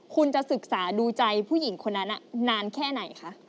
คุณจะศึกษาดูใจผู้หญิงคนนั้นนานแค่ไหนคะ